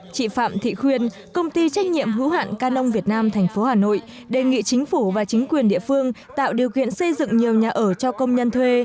chị phạm thị khuyên công ty trách nhiệm hữu hạn canon việt nam tp hà nội đề nghị chính phủ và chính quyền địa phương tạo điều kiện xây dựng nhiều nhà ở cho công nhân thuê